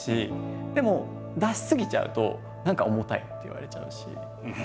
でも出し過ぎちゃうと何か重たいって言われちゃうし。